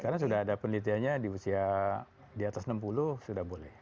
sekarang sudah ada penelitiannya di usia di atas enam puluh sudah boleh